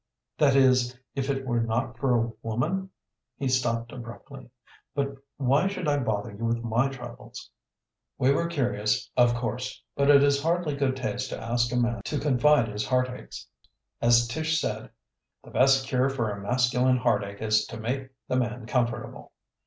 "That is, if it were not for a woman " He stopped abruptly. "But why should I bother you with my troubles?" We were curious, of course; but it is hardly good taste to ask a man to confide his heartaches. As Tish said, the best cure for a masculine heartache is to make the man comfortable.